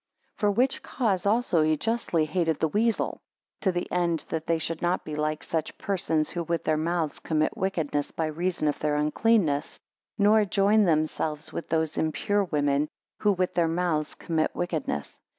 9 For which cause also he justly hated the weazel; to the end that they should not be like such persons who with their mouths commit wickedness by reason of their uncleanness; nor join themselves with those impure women, who with their mouths commit wickedness.